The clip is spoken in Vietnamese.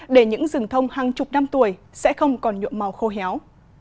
để những rừng thông hàng chục năm tuổi sẽ không còn nhuộm màu khô héo